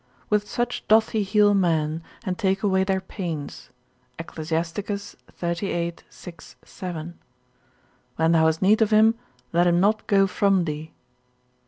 With such doth he heal men, and take away their pains, Ecclus. xxxviii. 6. 7. when thou hast need of him, let him not go from thee.